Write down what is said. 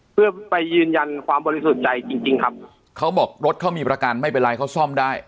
เพื่อไปยืนยันความบริสุทธิ์ใจจริงจริงครับเขาบอกรถเขามีประกันไม่เป็นไรเขาซ่อมได้